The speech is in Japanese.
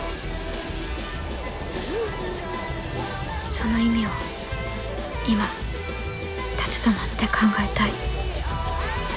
その意味を今立ち止まって考えたい。